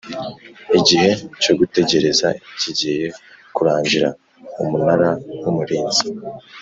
igihe cyo gutegereza kigiye kurangira Umunara w Umurinzi